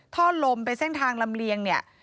ท่อลมไปเส้นทางลำเลียงเนี่ย